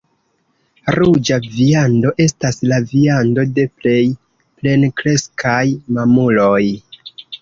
Ruĝa viando estas la viando de plej plenkreskaj mamuloj.